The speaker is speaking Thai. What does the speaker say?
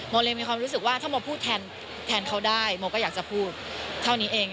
เลยมีความรู้สึกว่าถ้าโมพูดแทนเขาได้โมก็อยากจะพูดเท่านี้เอง